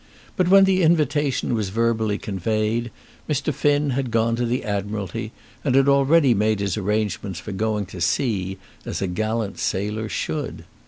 But, when the invitation was verbally conveyed, Mr. Finn had gone to the Admiralty, and had already made his arrangements for going to sea, as a gallant sailor should.